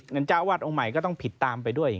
อย่างนั้นเจ้าวาดองค์ใหม่ก็ต้องผิดตามไปด้วย